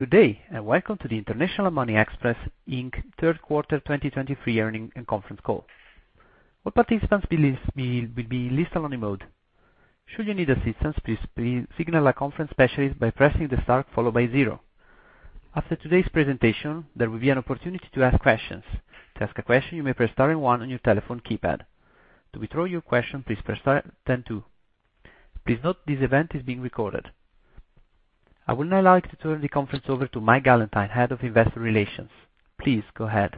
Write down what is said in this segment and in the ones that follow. Good day, and welcome to the International Money Express, Inc. Q3 2023 earnings and conference call. All participants will be in listen-only mode. Should you need assistance, please signal a conference specialist by pressing the Star followed by 0. After today's presentation, there will be an opportunity to ask questions. To ask a question, you may press Star and 1 on your telephone keypad. To withdraw your question, please press Star then 2. Please note, this event is being recorded. I would now like to turn the conference over to Mike Gallentine, Head of Investor Relations. Please go ahead.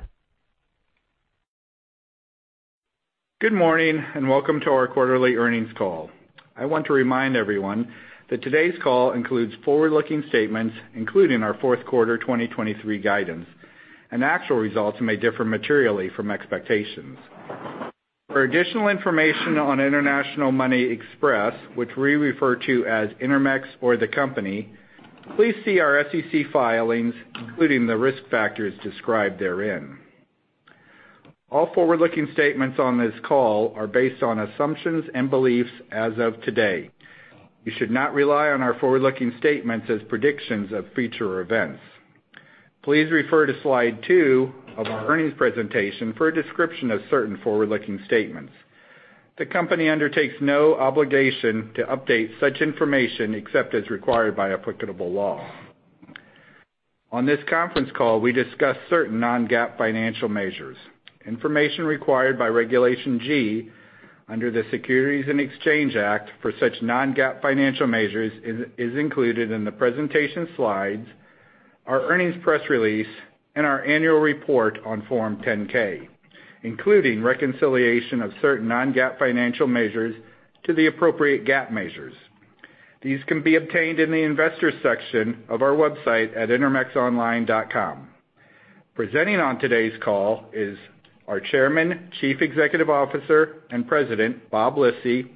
Good morning, and welcome to our quarterly earnings call. I want to remind everyone that today's call includes forward-looking statements, including our Q4 2023 guidance, and actual results may differ materially from expectations. For additional information on International Money Express, which we refer to as Intermex or the company, please see our SEC filings, including the risk factors described therein. All forward-looking statements on this call are based on assumptions and beliefs as of today. You should not rely on our forward-looking statements as predictions of future events. Please refer to slide 2 of our earnings presentation for a description of certain forward-looking statements. The company undertakes no obligation to update such information, except as required by applicable law. On this conference call, we discuss certain non-GAAP financial measures. Information required by Regulation G under the Securities and Exchange Act for such non-GAAP financial measures is included in the presentation slides, our earnings press release, and our annual report on Form 10-K, including reconciliation of certain non-GAAP financial measures to the appropriate GAAP measures. These can be obtained in the investors section of our website at intermexonline.com. Presenting on today's call is our Chairman, Chief Executive Officer, and President, Bob Lisy,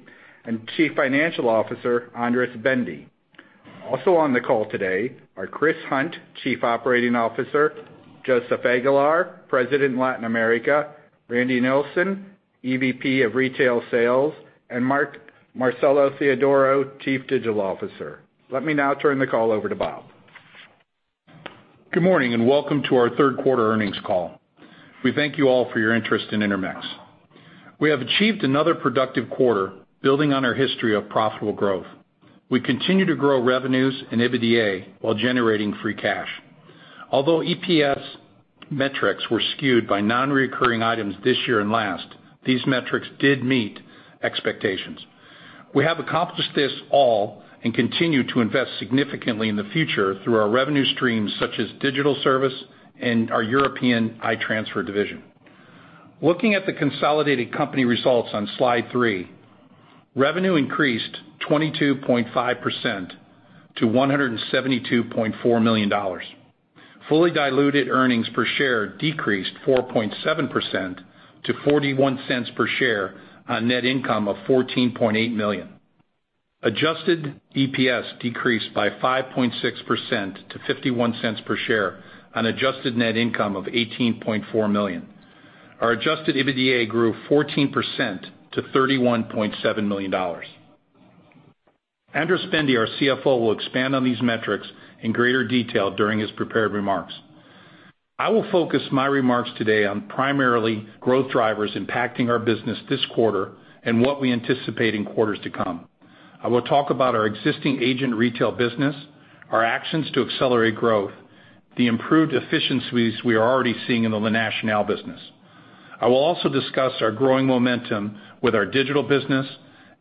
and Chief Financial Officer, Andras Bende. Also on the call today are Chris Hunt, Chief Operating Officer, Joseph Aguilar, President, Latin America, Randy Nielsen, EVP of Retail Sales, and Marcelo Theodoro, Chief Digital Officer. Let me now turn the call over to Bob. Good morning, and welcome to our Q3 earnings call. We thank you all for your interest in Intermex. We have achieved another productive quarter, building on our history of profitable growth. We continue to grow revenues and EBITDA while generating free cash. Although EPS metrics were skewed by non-recurring items this year and last, these metrics did meet expectations. We have accomplished this all and continue to invest significantly in the future through our revenue streams, such as digital service and our European iTransfer division. Looking at the consolidated company results on slide 3, revenue increased 22.5% to $172.4 million. Fully diluted earnings per share decreased 4.7% to $0.41 per share on net income of $14.8 million. Adjusted EPS decreased by 5.6% to $0.51 per share on adjusted net income of $18.4 million. Our Adjusted EBITDA grew 14% to $31.7 million. Andras Bende, our CFO, will expand on these metrics in greater detail during his prepared remarks. I will focus my remarks today on primarily growth drivers impacting our business this quarter and what we anticipate in quarters to come. I will talk about our existing agent retail business, our actions to accelerate growth, the improved efficiencies we are already seeing in the La Nacional business. I will also discuss our growing momentum with our digital business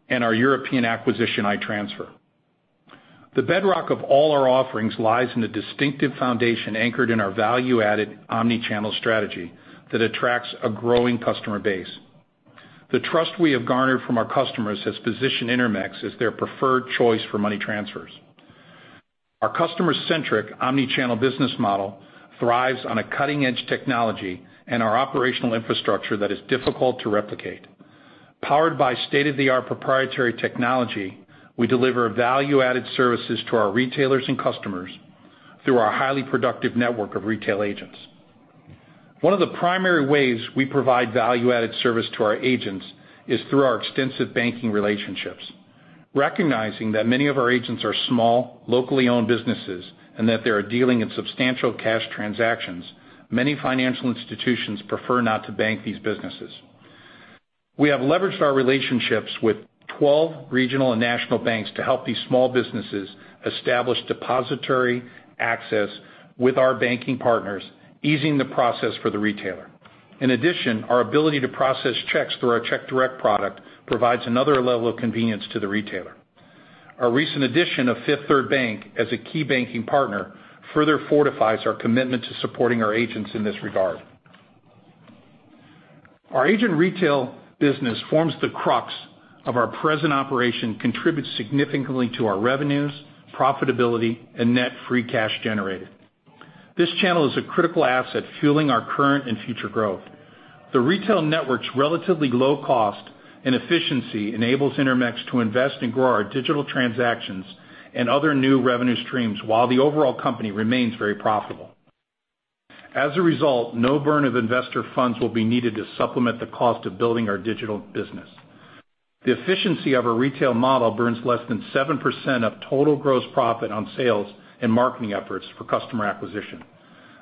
and our European acquisition, iTransfer. The bedrock of all our offerings lies in the distinctive foundation anchored in our value-added omni-channel strategy that attracts a growing customer base. The trust we have garnered from our customers has positioned Intermex as their preferred choice for money transfers. Our customer-centric, omni-channel business model thrives on a cutting-edge technology and our operational infrastructure that is difficult to replicate. Powered by state-of-the-art proprietary technology, we deliver value-added services to our retailers and customers through our highly productive network of retail agents. One of the primary ways we provide value-added service to our agents is through our extensive banking relationships. Recognizing that many of our agents are small, locally owned businesses and that they are dealing in substantial cash transactions, many financial institutions prefer not to bank these businesses. We have leveraged our relationships with 12 regional and national banks to help these small businesses establish depository access with our banking partners, easing the process for the retailer. In addition, our ability to process checks through our Check Direct product provides another level of convenience to the retailer. Our recent addition of Fifth Third Bank as a key banking partner further fortifies our commitment to supporting our agents in this regard. Our agent retail business forms the crux of our present operation, contributes significantly to our revenues, profitability, and Net Free Cash Generated. This channel is a critical asset, fueling our current and future growth. The retail network's relatively low cost and efficiency enables Intermex to invest and grow our digital transactions and other new revenue streams, while the overall company remains very profitable. As a result, no burn of investor funds will be needed to supplement the cost of building our digital business. The efficiency of our retail model burns less than 7% of total gross profit on sales and marketing efforts for customer acquisition.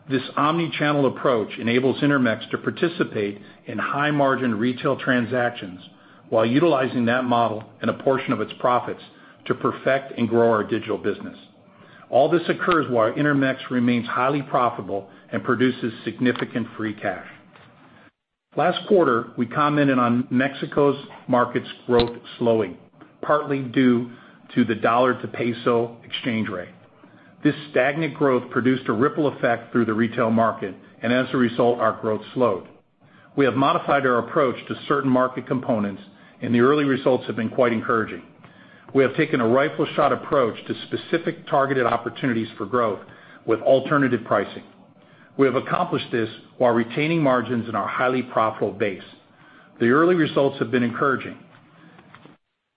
This omni-channel approach enables Intermex to participate in high-margin retail transactions while utilizing that model and a portion of its profits to perfect and grow our digital business. All this occurs while Intermex remains highly profitable and produces significant free cash. Last quarter, we commented on Mexico's market's growth slowing, partly due to the dollar-to-peso exchange rate. This stagnant growth produced a ripple effect through the retail market, and as a result, our growth slowed. We have modified our approach to certain market components, and the early results have been quite encouraging. We have taken a rifle shot approach to specific targeted opportunities for growth with alternative pricing. We have accomplished this while retaining margins in our highly profitable base. The early results have been encouraging.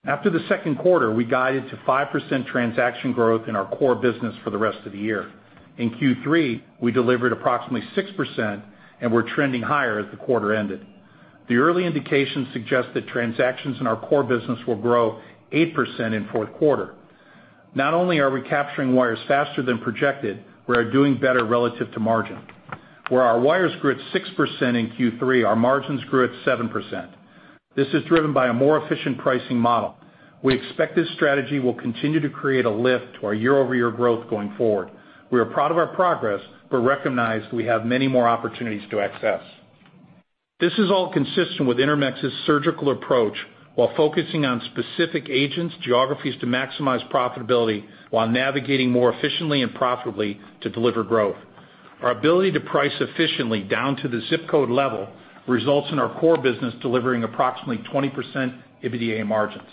After the Q2, we guided to 5% transaction growth in our core business for the rest of the year. In Q3, we delivered approximately 6% and we're trending higher as the quarter ended. The early indications suggest that transactions in our core business will grow 8% in Q4. Not only are we capturing wires faster than projected, we are doing better relative to margin. Where our wires grew at 6% in Q3, our margins grew at 7%. This is driven by a more efficient pricing model. We expect this strategy will continue to create a lift to our year-over-year growth going forward. We are proud of our progress, but recognize we have many more opportunities to access. This is all consistent with Intermex's surgical approach while focusing on specific agents, geographies to maximize profitability while navigating more efficiently and profitably to deliver growth. Our ability to price efficiently down to the zip code level results in our core business delivering approximately 20% EBITDA margins.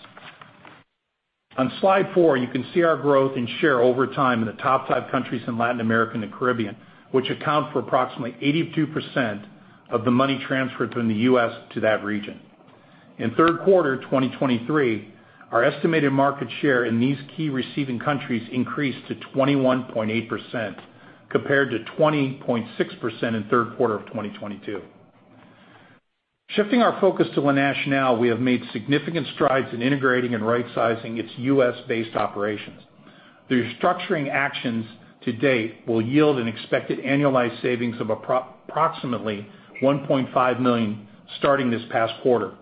On Slide 4, you can see our growth and share over time in the top 5 countries in Latin America and the Caribbean, which account for approximately 82% of the money transferred from the U.S. to that region. In Q3 2023, our estimated market share in these key receiving countries increased to 21.8%, compared to 20.6% in Q3 of 2022. Shifting our focus to La Nacional, we have made significant strides in integrating and rightsizing its U.S.-based operations. The restructuring actions to date will yield an expected annualized savings of approximately $1.5 million, starting this past quarter.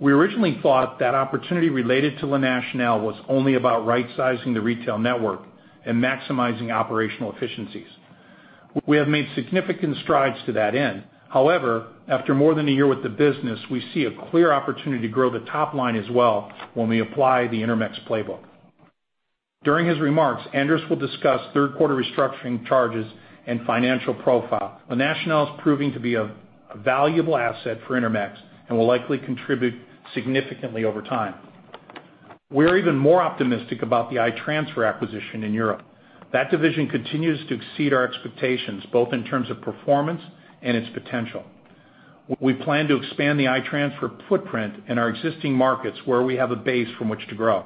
We originally thought that opportunity related to La Nacional was only about rightsizing the retail network and maximizing operational efficiencies. We have made significant strides to that end. However, after more than a year with the business, we see a clear opportunity to grow the top line as well when we apply the Intermex playbook. During his remarks, Andras will discuss Q3 restructuring charges and financial profile. La Nacional is proving to be a valuable asset for Intermex and will likely contribute significantly over time. We're even more optimistic about the iTransfer acquisition in Europe. That division continues to exceed our expectations, both in terms of performance and its potential. We plan to expand the iTransfer footprint in our existing markets, where we have a base from which to grow.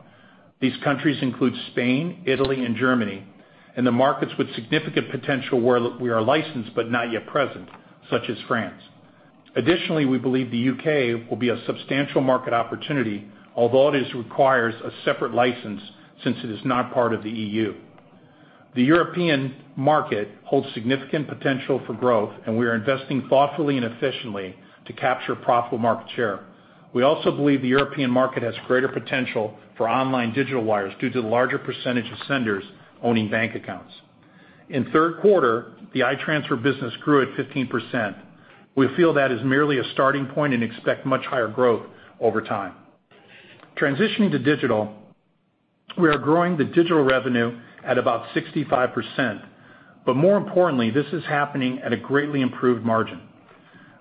These countries include Spain, Italy, and Germany, and the markets with significant potential where we are licensed but not yet present, such as France. Additionally, we believe the U.K. will be a substantial market opportunity, although it requires a separate license since it is not part of the EU. The European market holds significant potential for growth, and we are investing thoughtfully and efficiently to capture profitable market share. We also believe the European market has greater potential for online digital wires due to the larger percentage of senders owning bank accounts. In Q3, the iTransfer business grew at 15%. We feel that is merely a starting point and expect much higher growth over time. Transitioning to digital, we are growing the digital revenue at about 65%, but more importantly, this is happening at a greatly improved margin.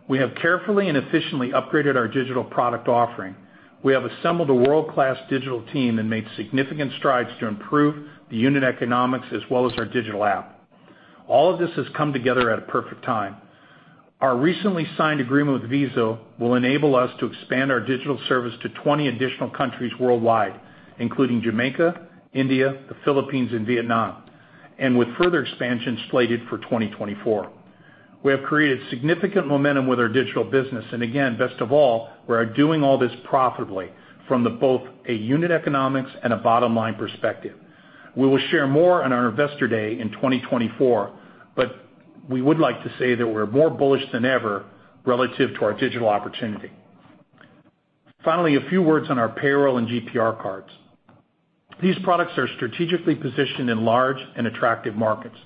We have carefully and efficiently upgraded our digital product offering. We have assembled a world-class digital team and made significant strides to improve the unit economics as well as our digital app. All of this has come together at a perfect time. Our recently signed agreement with Visa will enable us to expand our digital service to 20 additional countries worldwide, including Jamaica, India, the Philippines, and Vietnam, and with further expansion slated for 2024. We have created significant momentum with our digital business, and again, best of all, we are doing all this profitably from both a unit economics and a bottom-line perspective. We will share more on our Investor Day in 2024, but we would like to say that we're more bullish than ever relative to our digital opportunity. Finally, a few words on our payroll and GPR cards. These products are strategically positioned in large and attractive markets.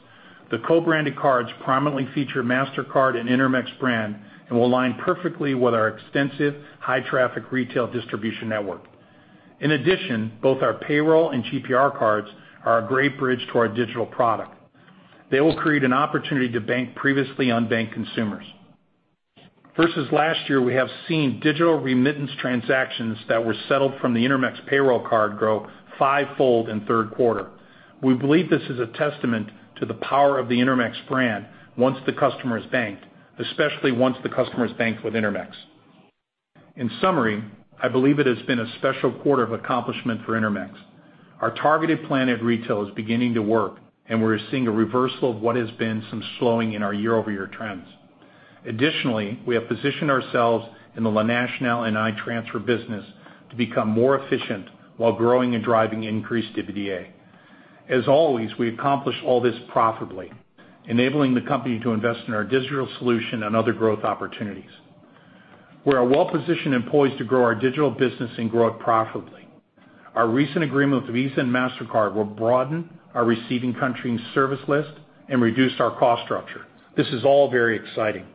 The co-branded cards prominently feature Mastercard and Intermex brand and will align perfectly with our extensive, high-traffic retail distribution network. In addition, both our payroll and GPR cards are a great bridge to our digital product. They will create an opportunity to bank previously unbanked consumers. Versus last year, we have seen digital remittance transactions that were settled from the Intermex payroll card grow fivefold in Q3. We believe this is a testament to the power of the Intermex brand once the customer is banked, especially once the customer is banked with Intermex.... In summary, I believe it has been a special quarter of accomplishment for Intermex. Our targeted plan at retail is beginning to work, and we're seeing a reversal of what has been some slowing in our year-over-year trends. Additionally, we have positioned ourselves in the La Nacional and iTransfer business to become more efficient while growing and driving increased EBITDA. As always, we accomplish all this profitably, enabling the company to invest in our digital solution and other growth opportunities. We are well-positioned and poised to grow our digital business and grow it profitably. Our recent agreement with Visa and Mastercard will broaden our receiving country and service list and reduce our cost structure. This is all very exciting.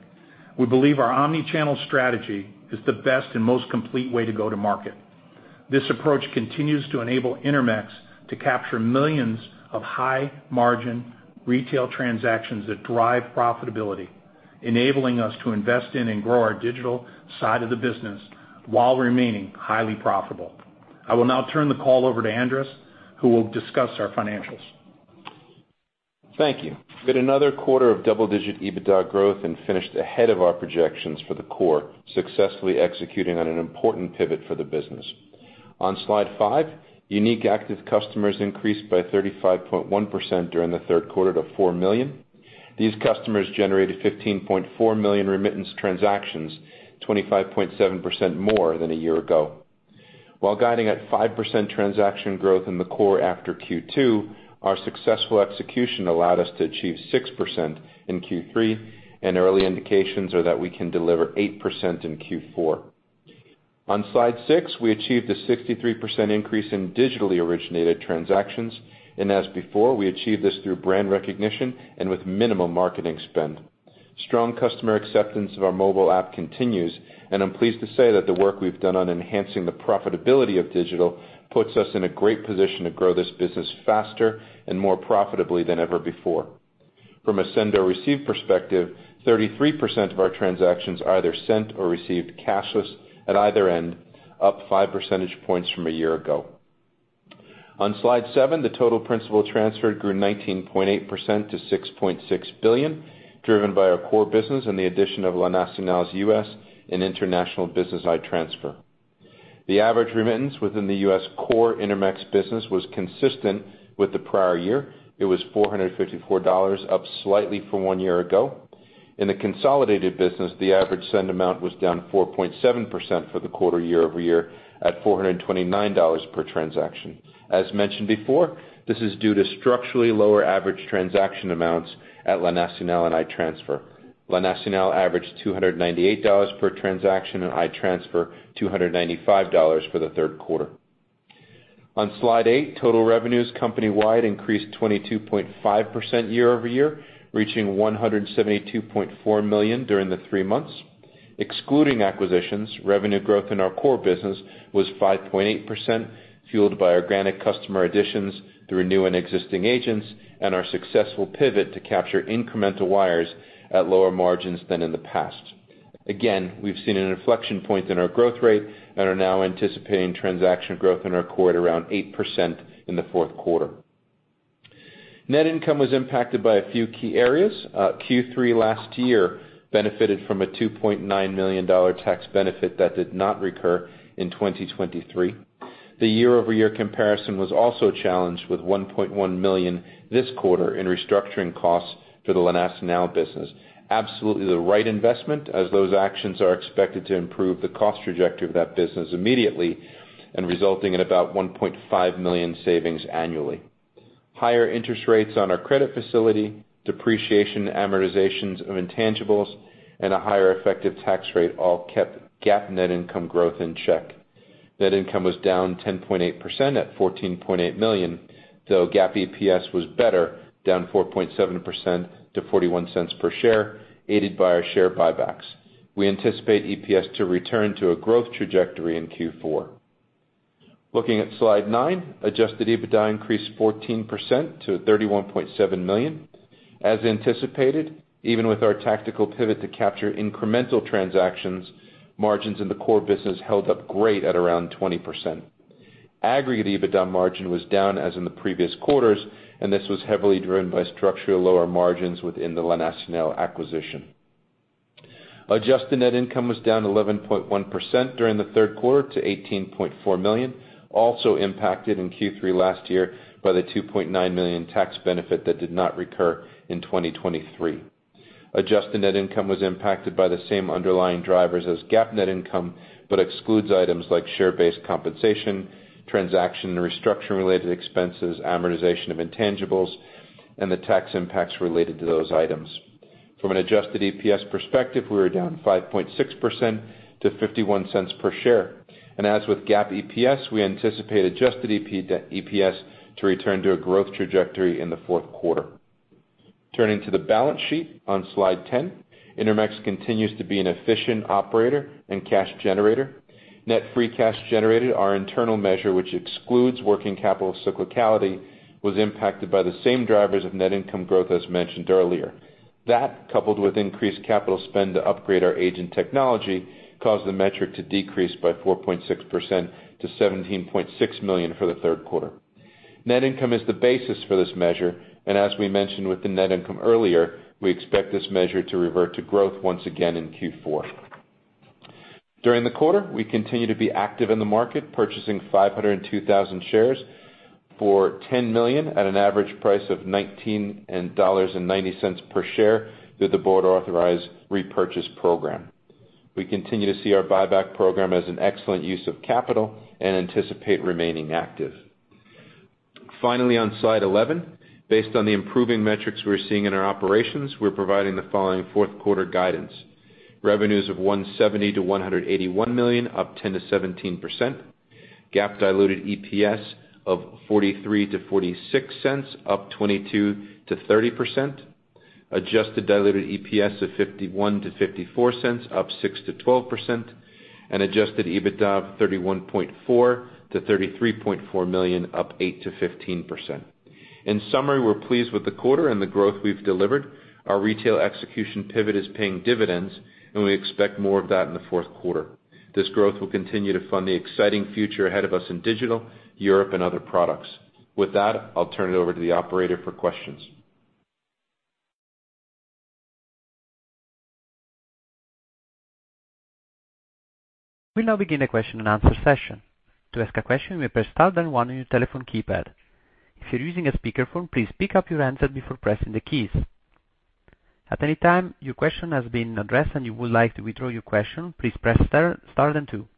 We believe our omni-channel strategy is the best and most complete way to go to market. This approach continues to enable Intermex to capture millions of high-margin retail transactions that drive profitability, enabling us to invest in and grow our digital side of the business while remaining highly profitable. I will now turn the call over to Andras, who will discuss our financials. Thank you. We had another quarter of double-digit EBITDA growth and finished ahead of our projections for the core, successfully executing on an important pivot for the business. On slide 5, unique active customers increased by 35.1% during the Q3 to 4 million. These customers generated 15.4 million remittance transactions, 25.7% more than a year ago. While guiding at 5% transaction growth in the core after Q2, our successful execution allowed us to achieve 6% in Q3, and early indications are that we can deliver 8% in Q4. On slide 6, we achieved a 63% increase in digitally originated transactions, and as before, we achieved this through brand recognition and with minimum marketing spend. Strong customer acceptance of our mobile app continues, and I'm pleased to say that the work we've done on enhancing the profitability of digital puts us in a great position to grow this business faster and more profitably than ever before. From a send or receive perspective, 33% of our transactions are either sent or received cashless at either end, up five percentage points from a year ago. On slide 7, the total principal transferred grew 19.8% to $6.6 billion, driven by our core business and the addition of La Nacional's U.S. and international business, iTransfer. The average remittance within the U.S. core Intermex business was consistent with the prior year. It was $454, up slightly from one year ago. In the consolidated business, the average send amount was down 4.7% for the quarter year-over-year at $429 per transaction. As mentioned before, this is due to structurally lower average transaction amounts at La Nacional and iTransfer. La Nacional averaged $298 per transaction, and iTransfer, $295 for the Q3. On slide eight, total revenues company-wide increased 22.5% year-over-year, reaching $172.4 million during the three months. Excluding acquisitions, revenue growth in our core business was 5.8%, fueled by organic customer additions through new and existing agents and our successful pivot to capture incremental wires at lower margins than in the past. Again, we've seen an inflection point in our growth rate and are now anticipating transaction growth in our core at around 8% in the Q4. Net income was impacted by a few key areas. Q3 last year benefited from a $2.9 million tax benefit that did not recur in 2023. The year-over-year comparison was also challenged with $1.1 million this quarter in restructuring costs for the La Nacional business. Absolutely the right investment, as those actions are expected to improve the cost trajectory of that business immediately and resulting in about $1.5 million savings annually. Higher interest rates on our credit facility, depreciation, amortizations of intangibles, and a higher effective tax rate all kept GAAP net income growth in check. Net income was down 10.8% at $14.8 million, though GAAP EPS was better, down 4.7% to $0.41 per share, aided by our share buybacks. We anticipate EPS to return to a growth trajectory in Q4. Looking at slide 9, Adjusted EBITDA increased 14% to $31.7 million. As anticipated, even with our tactical pivot to capture incremental transactions, margins in the core business held up great at around 20%. Aggregate EBITDA margin was down, as in the previous quarters, and this was heavily driven by structurally lower margins within the La Nacional acquisition. Adjusted net income was down 11.1% during the Q3 to $18.4 million, also impacted in Q3 last year by the $2.9 million tax benefit that did not recur in 2023. Adjusted net income was impacted by the same underlying drivers as GAAP net income, but excludes items like share-based compensation, transaction and restructuring-related expenses, amortization of intangibles, and the tax impacts related to those items. From an adjusted EPS perspective, we were down 5.6% to $0.51 per share. As with GAAP EPS, we anticipate adjusted EPS to return to a growth trajectory in the Q4. Turning to the balance sheet on slide 10, Intermex continues to be an efficient operator and cash generator. Net free cash generated, our internal measure, which excludes working capital cyclicality, was impacted by the same drivers of net income growth as mentioned earlier. That, coupled with increased capital spend to upgrade our agent technology, caused the metric to decrease by 4.6% to $17.6 million for the Q3. Net income is the basis for this measure, and as we mentioned with the net income earlier, we expect this measure to revert to growth once again in Q4. ...During the quarter, we continue to be active in the market, purchasing 502,000 shares for $10 million at an average price of $19.90 per share through the board authorized repurchase program. We continue to see our buyback program as an excellent use of capital and anticipate remaining active. Finally, on slide 11, based on the improving metrics we're seeing in our operations, we're providing the following Q4 guidance. Revenues of $170 million-$181 million, up 10%-17%. GAAP diluted EPS of $0.43-$0.46, up 22%-30%. Adjusted diluted EPS of $0.51-$0.54, up 6%-12%, and Adjusted EBITDA of $31.4 million-$33.4 million, up 8%-15%. In summary, we're pleased with the quarter and the growth we've delivered. Our retail execution pivot is paying dividends, and we expect more of that in the Q4. This growth will continue to fund the exciting future ahead of us in digital, Europe, and other products. With that, I'll turn it over to the operator for questions. We'll now begin the question and answer session. To ask a question, you may press star then one on your telephone keypad. If you're using a speakerphone, please pick up your answer before pressing the keys. At any time your question has been addressed and you would like to withdraw your question, please press star-star then two.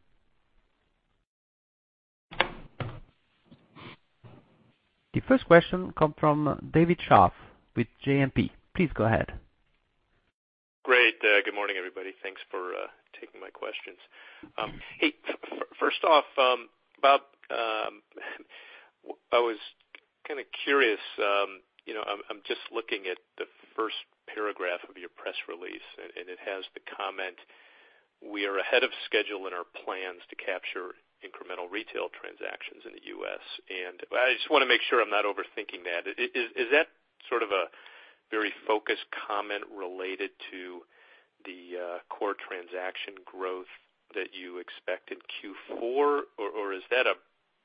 The first question comes from David Scharf with JMP. Please go ahead. Great. Good morning, everybody. Thanks for taking my questions. Hey, first off, Bob, I was kind of curious, you know, I'm just looking at the first paragraph of your press release, and it has the comment, "We are ahead of schedule in our plans to capture incremental retail transactions in the U.S." And I just want to make sure I'm not overthinking that. Is that sort of a very focused comment related to the core transaction growth that you expect in Q4? Or is that a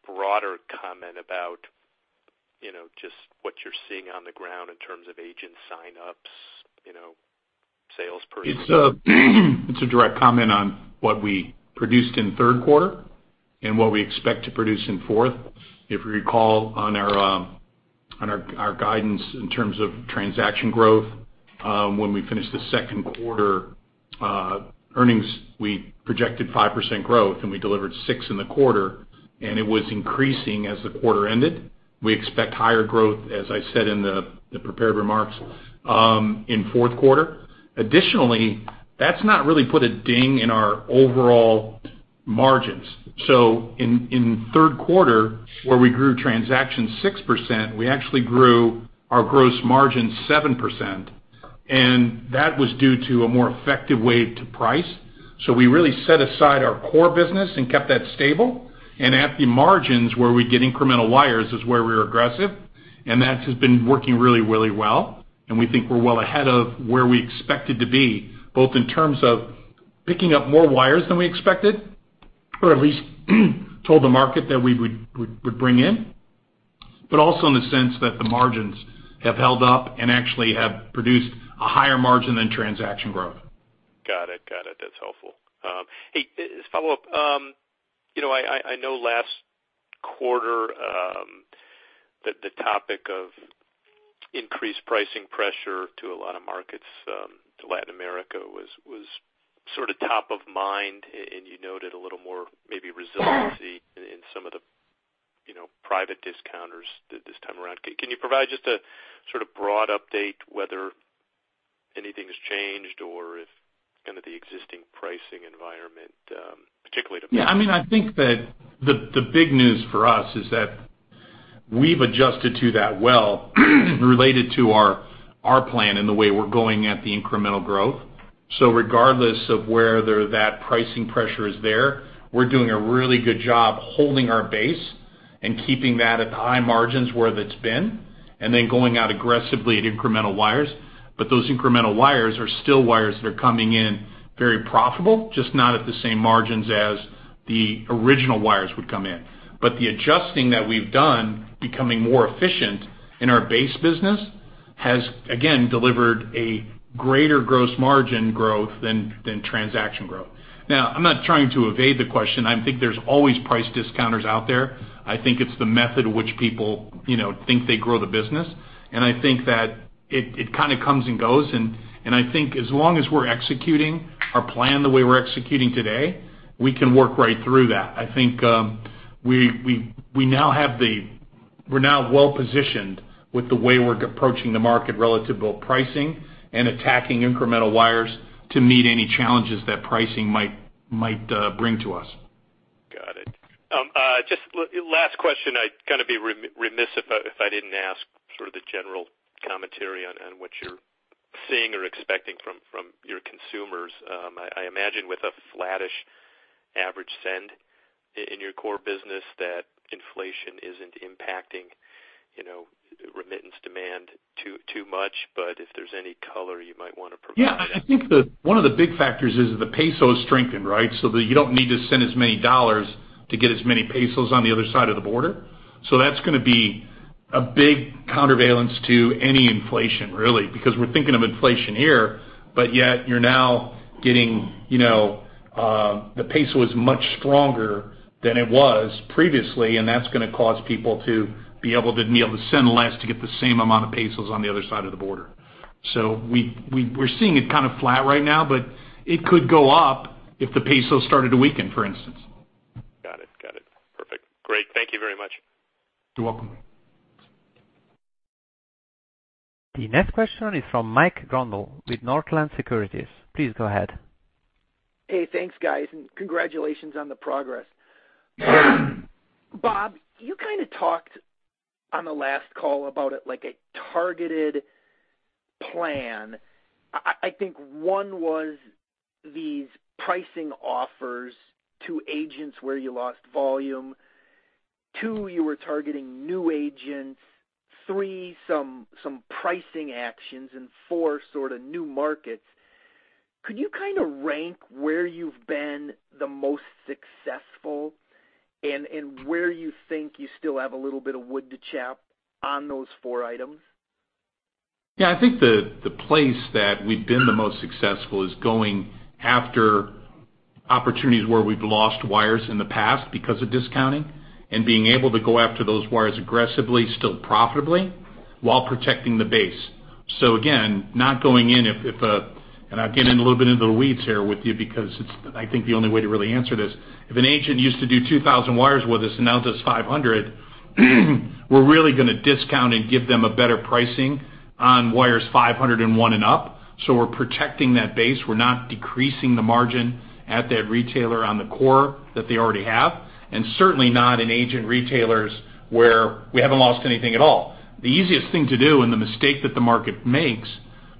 broader comment about, you know, just what you're seeing on the ground in terms of agent sign-ups, you know, salespersons? It's a direct comment on what we produced in the Q3 and what we expect to produce in fourth. If you recall, on our guidance in terms of transaction growth, when we finished the Q2 earnings, we projected 5% growth, and we delivered 6% in the quarter, and it was increasing as the quarter ended. We expect higher growth, as I said in the prepared remarks, in Q4. Additionally, that's not really put a ding in our overall margins. So in Q3, where we grew transactions 6%, we actually grew our gross margin 7%, and that was due to a more effective way to price. So we really set aside our core business and kept that stable. And at the margins, where we get incremental wires, is where we're aggressive, and that has been working really, really well. And we think we're well ahead of where we expected to be, both in terms of picking up more wires than we expected, or at least told the market that we would bring in, but also in the sense that the margins have held up and actually have produced a higher margin than transaction growth. Got it. Got it. That's helpful. Hey, just follow up. You know, I know last quarter that the topic of increased pricing pressure to a lot of markets to Latin America was sort of top of mind, and you noted a little more maybe resiliency in some of the, you know, private discounters this time around. Can you provide just a sort of broad update, whether anything has changed or if kind of the existing pricing environment, particularly to- Yeah, I mean, I think that the big news for us is that we've adjusted to that well, related to our plan and the way we're going at the incremental growth. So regardless of whether that pricing pressure is there, we're doing a really good job holding our base and keeping that at the high margins where it's been, and then going out aggressively at incremental wires. But those incremental wires are still wires that are coming in very profitable, just not at the same margins as the original wires would come in. But the adjusting that we've done, becoming more efficient in our base business, has again delivered a greater gross margin growth than transaction growth. Now, I'm not trying to evade the question. I think there's always price discounters out there. I think it's the method of which people, you know, think they grow the business, and I think that it kind of comes and goes. And I think as long as we're executing our plan the way we're executing today, we can work right through that. I think we now have the—we're now well positioned with the way we're approaching the market relative to both pricing and attacking incremental wires to meet any challenges that pricing might bring to us. Got it. Just last question. I'd kind of be remiss if I didn't ask for the general commentary on what you're seeing or expecting from your consumers. I imagine with a flattish average send in your core business, that inflation isn't impacting, you know, remittance demand too much. But if there's any color you might want to provide. Yeah, I think the one of the big factors is the peso has strengthened, right? So that you don't need to send as many dollars to get as many pesos on the other side of the border. So that's going to be a big counterbalance to any inflation, really, because we're thinking of inflation here, but yet you're now getting, you know, the peso is much stronger than it was previously, and that's gonna cause people to be able to send less to get the same amount of pesos on the other side of the border. So we're seeing it kind of flat right now, but it could go up if the peso started to weaken, for instance. Got it. Got it. Perfect. Great. Thank you very much. You're welcome. The next question is from Mike Grondahl with Northland Securities. Please go ahead. Hey, thanks, guys, and congratulations on the progress. Bob, you kinda talked on the last call about it like a targeted plan. I, I think one was these pricing offers to agents where you lost volume. Two, you were targeting new agents. Three, some, some pricing actions, and four, sorta new markets. Could you kinda rank where you've been the most successful and, and where you think you still have a little bit of wood to chop on those four items? Yeah, I think the place that we've been the most successful is going after opportunities where we've lost wires in the past because of discounting, and being able to go after those wires aggressively, still profitably, while protecting the base. So again, not going in if a—and I'll get in a little bit into the weeds here with you because it's, I think, the only way to really answer this. If an agent used to do 2,000 wires with us and now does 500, we're really gonna discount and give them a better pricing on wires 501 and up, so we're protecting that base. We're not decreasing the margin at that retailer on the core that they already have, and certainly not in agent retailers where we haven't lost anything at all. The easiest thing to do, and the mistake that the market makes,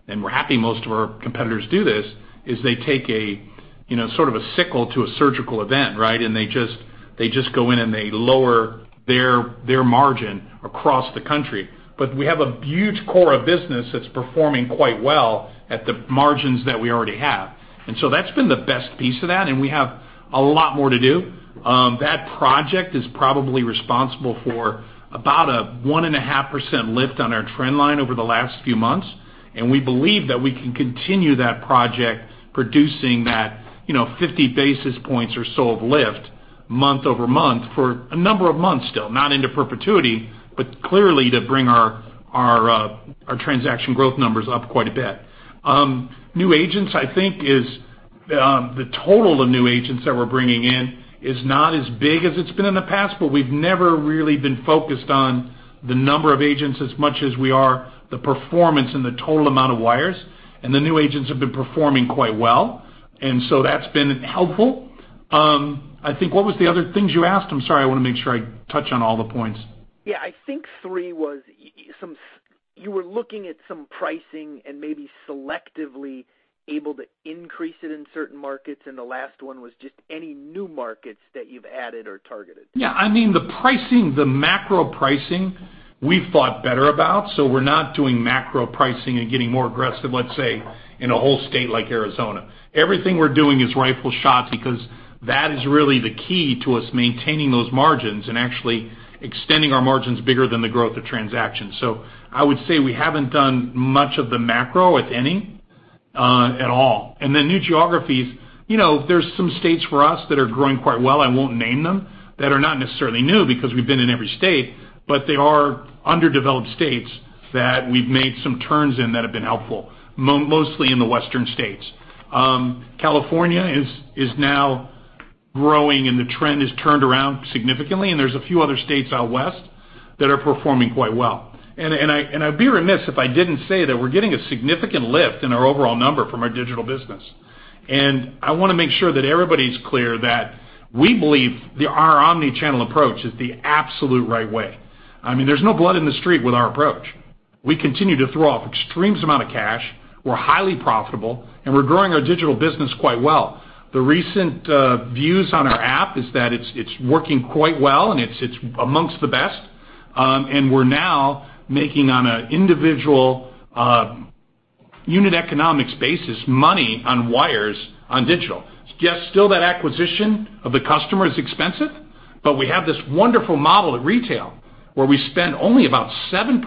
and we're happy most of our competitors do this, is they take a, you know, sort of a sickle to a surgical event, right? And they just, they just go in and they lower their, their margin across the country. But we have a huge core of business that's performing quite well at the margins that we already have. And so that's been the best piece of that, and we have a lot more to do. That project is probably responsible for about a 1.5% lift on our trend line over the last few months, and we believe that we can continue that project, producing that, you know, 50 basis points or so of lift month-over-month for a number of months still, not into perpetuity, but clearly to bring our, our, our transaction growth numbers up quite a bit. New agents, I think, is the total of new agents that we're bringing in is not as big as it's been in the past, but we've never really been focused on the number of agents as much as we are, the performance and the total amount of wires, and the new agents have been performing quite well, and so that's been helpful. I think, what was the other things you asked? I'm sorry, I wanna make sure I touch on all the points. Yeah, I think there was—you were looking at some pricing and maybe selectively able to increase it in certain markets, and the last one was just any new markets that you've added or targeted. Yeah, I mean, the pricing, the macro pricing, we've thought better about, so we're not doing macro pricing and getting more aggressive, let's say, in a whole state like Arizona. Everything we're doing is rifle shots because that is really the key to us maintaining those margins and actually extending our margins bigger than the growth of transactions. So I would say we haven't done much of the macro, if any, at all. And the new geographies, you know, there's some states for us that are growing quite well, I won't name them, that are not necessarily new, because we've been in every state, but they are underdeveloped states that we've made some turns in that have been helpful, mostly in the western states. California is now growing, and the trend has turned around significantly, and there's a few other states out west that are performing quite well. I'd be remiss if I didn't say that we're getting a significant lift in our overall number from our digital business. And I wanna make sure that everybody's clear that we believe that our omni-channel approach is the absolute right way. I mean, there's no blood in the street with our approach. We continue to throw off extreme amount of cash, we're highly profitable, and we're growing our digital business quite well. The recent views on our app is that it's working quite well, and it's amongst the best. And we're now making, on an individual unit economics basis, money on wires on digital. Yes, still that acquisition of the customer is expensive, but we have this wonderful model at retail, where we spend only about 7%,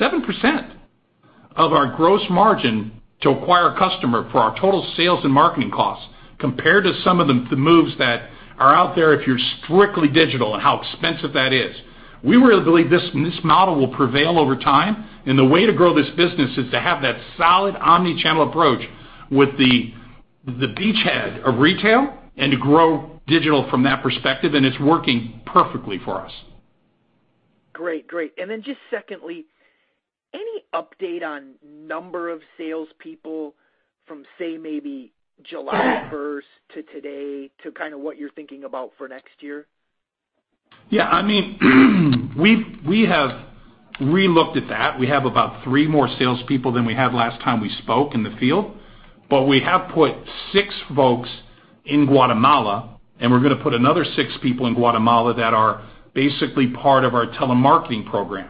7%! Of our gross margin to acquire a customer for our total sales and marketing costs, compared to some of the, the moves that are out there if you're strictly digital, and how expensive that is. We really believe this, this model will prevail over time, and the way to grow this business is to have that solid omni-channel approach with the, the beachhead of retail and to grow digital from that perspective, and it's working perfectly for us. Great, great. And then just secondly, any update on number of salespeople from, say, maybe July first to today, to kinda what you're thinking about for next year? Yeah, I mean, we have relooked at that. We have about 3 more salespeople than we had last time we spoke in the field, but we have put 6 folks in Guatemala, and we're gonna put another 6 people in Guatemala that are basically part of our telemarketing program.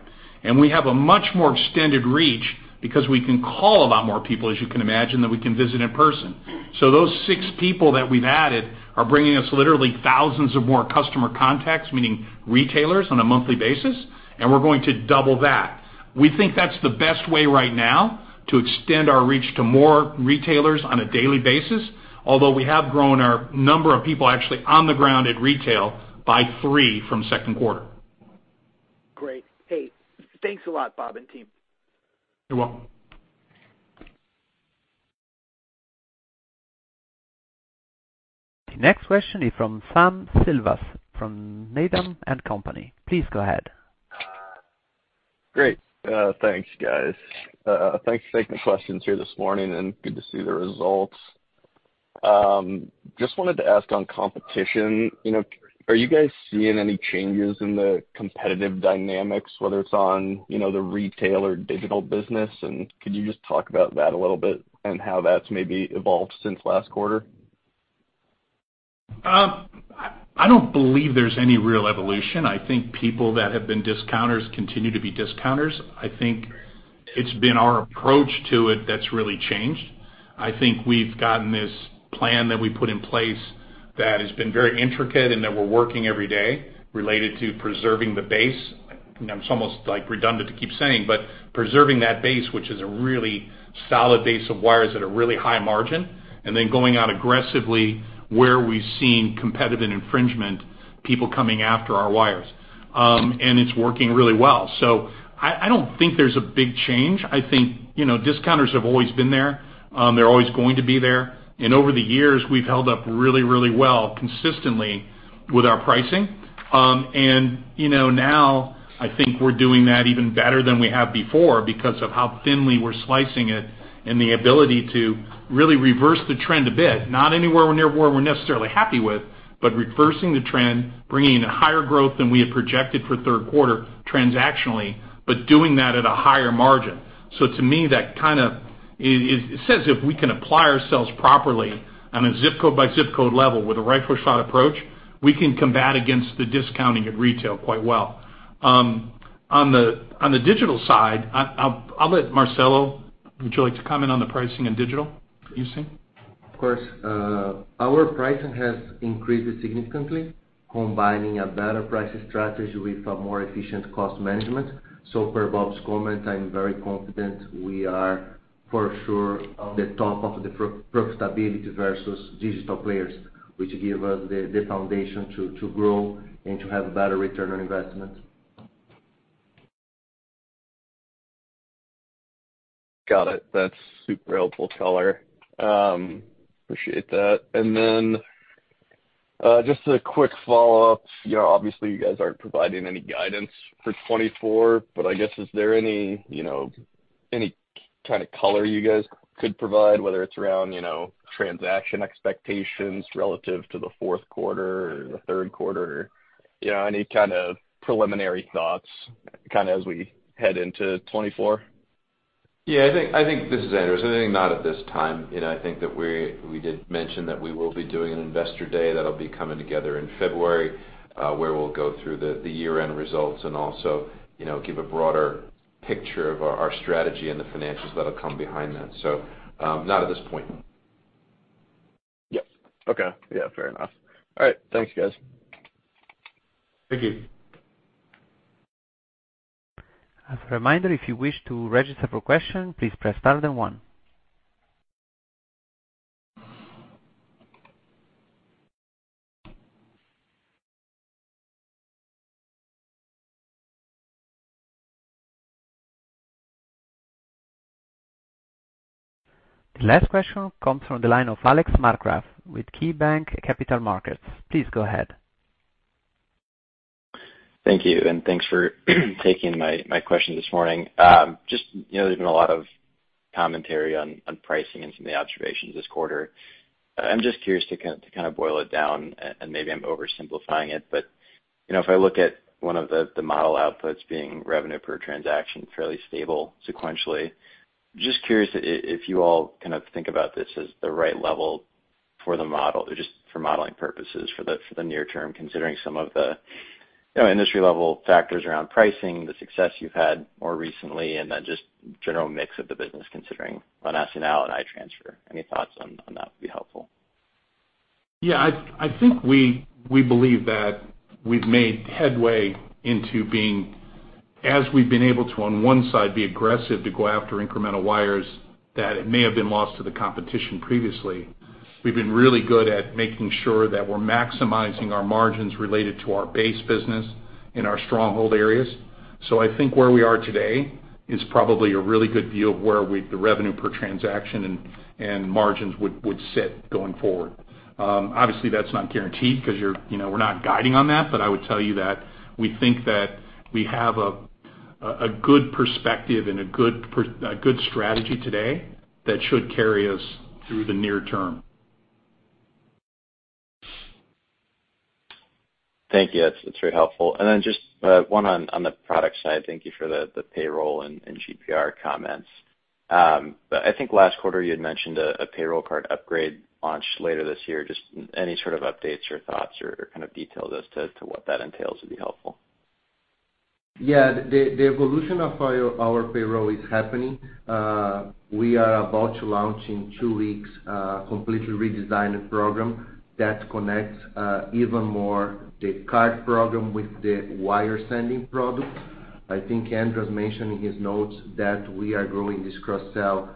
We have a much more extended reach because we can call a lot more people, as you can imagine, than we can visit in person. So those 6 people that we've added are bringing us literally thousands of more customer contacts, meaning retailers, on a monthly basis, and we're going to double that. We think that's the best way right now to extend our reach to more retailers on a daily basis, although we have grown our number of people actually on the ground at retail by 3 from Q2. Great. Hey, thanks a lot, Bob and team. You're welcome. The next question is from Sam Salvas, from Needham & Company. Please go ahead. Great. Thanks, guys. Thanks for taking the questions here this morning, and good to see the results. Just wanted to ask on competition, you know, are you guys seeing any changes in the competitive dynamics, whether it's on, you know, the retail or digital business? And could you just talk about that a little bit and how that's maybe evolved since last quarter? I don't believe there's any real evolution. I think people that have been discounters continue to be discounters. I think it's been our approach to it that's really changed. I think we've gotten this plan that we put in place that has been very intricate and that we're working every day related to preserving the base. You know, it's almost like redundant to keep saying, but preserving that base, which is a really solid base of wires at a really high margin, and then going out aggressively where we've seen competitive infringement, people coming after our wires. And it's working really well. So I don't think there's a big change. I think, you know, discounters have always been there, they're always going to be there, and over the years, we've held up really, really well consistently with our pricing. And you know, now I think we're doing that even better than we have before because of how thinly we're slicing it and the ability to really reverse the trend a bit, not anywhere where near where we're necessarily happy with, but reversing the trend, bringing in a higher growth than we had projected for Q3 transactionally, but doing that at a higher margin. So to me, that kind of... It says if we can apply ourselves properly on a zip code by zip code level with a rifle shot approach, we can combat against the discounting at retail quite well. On the digital side, I'll let Marcelo. Would you like to comment on the pricing in digital, you see? Of course. Our pricing has increased significantly, combining a better pricing strategy with a more efficient cost management. So per Bob's comment, I'm very confident we are for sure on the top of the profitability versus digital players, which give us the foundation to grow and to have a better return on investment. Got it. That's super helpful color. Appreciate that. Just a quick follow-up. You know, obviously, you guys aren't providing any guidance for 2024, but I guess, is there any, you know, any kind of color you guys could provide, whether it's around, you know, transaction expectations relative to the Q4 or the Q3? You know, any kind of preliminary thoughts, kind of as we head into 2024? Yeah, I think, I think this is Andras. So I think not at this time. You know, I think that we, we did mention that we will be doing an investor day that'll be coming together in February, where we'll go through the, the year-end results and also, you know, give a broader picture of our, our strategy and the financials that'll come behind that. So, not at this point. Yep. Okay. Yeah, fair enough. All right. Thanks, guys. Thank you. As a reminder, if you wish to register for a question, please press star then one. The last question comes from the line of Alex Markgraff with KeyBanc Capital Markets. Please go ahead. Thank you, and thanks for taking my question this morning. Just, you know, there's been a lot of commentary on pricing and some of the observations this quarter. I'm just curious to kind of boil it down, and maybe I'm oversimplifying it, but, you know, if I look at one of the model outputs being revenue per transaction, fairly stable sequentially. Just curious if you all kind of think about this as the right level for the model, just for modeling purposes, for the near term, considering some of the, you know, industry-level factors around pricing, the success you've had more recently, and then just general mix of the business, considering La Nacional and iTransfer. Any thoughts on that would be helpful. Yeah, I think we believe that we've made headway into being... As we've been able to, on one side, be aggressive to go after incremental wires that it may have been lost to the competition previously. We've been really good at making sure that we're maximizing our margins related to our base business in our stronghold areas. So I think where we are today is probably a really good view of where we, the revenue per transaction and margins would sit going forward. Obviously, that's not guaranteed because you're, you know, we're not guiding on that, but I would tell you that we think that we have a good perspective and a good strategy today that should carry us through the near term. Thank you. That's, that's very helpful. Then just one on the product side. Thank you for the, the payroll and, and GPR comments. I think last quarter you had mentioned a, a payroll card upgrade launch later this year. Just any sort of updates or thoughts or, or kind of details as to, to what that entails would be helpful. Yeah. The evolution of our payroll is happening. We are about to launch in two weeks a completely redesigned program that connects even more the card program with the wire-sending product. I think Andras's mentioned in his notes that we are growing this cross-sell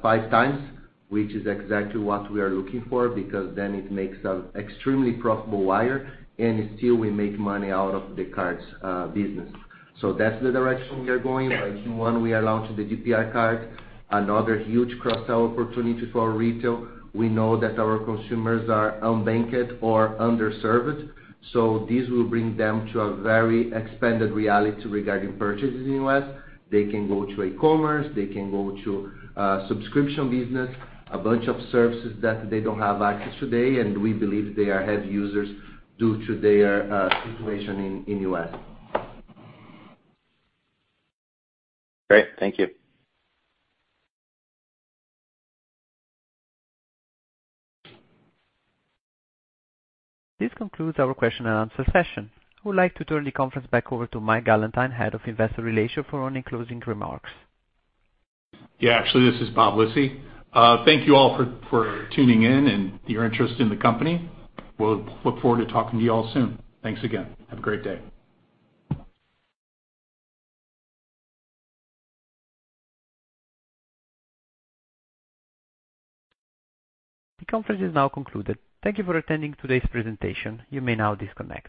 five times, which is exactly what we are looking for, because then it makes an extremely profitable wire and still we make money out of the cards business. So that's the direction we are going. In Q1, we are launching the GPR card, another huge cross-sell opportunity for our retail. We know that our consumers are unbanked or underserved, so this will bring them to a very expanded reality regarding purchases in U.S. They can go to e-commerce, they can go to subscription business, a bunch of services that they don't have access today, and we believe they are heavy users due to their situation in U.S. Great. Thank you. This concludes our question and answer session. I would like to turn the conference back over to Mike Gallentine, Head of Investor Relations, for any closing remarks. Yeah, actually, this is Bob Lisy. Thank you all for tuning in and your interest in the company. We'll look forward to talking to you all soon. Thanks again. Have a great day. The conference is now concluded. Thank you for attending today's presentation. You may now disconnect.